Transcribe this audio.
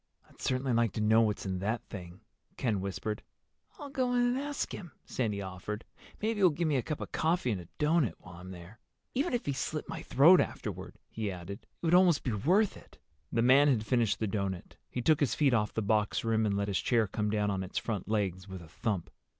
"I'd certainly like to know what's in that thing," Ken whispered. "I'll go in and ask him," Sandy offered. "Maybe he'll give me a cup of coffee and a doughnut while I'm there. Even if he slit my throat afterward," he added, "it would almost be worth it." The man had finished the doughnut. He took his feet off the box rim and let his chair come down on its front legs with a thump.